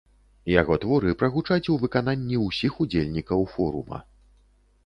Яго творы прагучаць у выкананні ўсіх удзельнікаў форума.